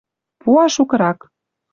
Пуа шукырак.